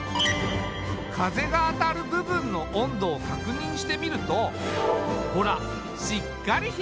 風が当たる部分の温度を確認してみるとほらしっかり冷えてる！